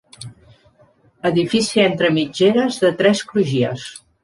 Edifici entre mitgeres de tres crugies.